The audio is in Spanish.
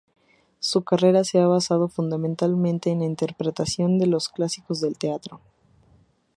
Su carrera se ha basado fundamentalmente en la interpretación de los clásicos del teatro.